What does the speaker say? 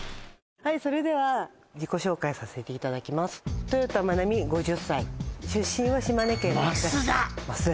はいそれでは自己紹介させていただきます豊田真奈美５０歳出身は島根県益田市益田！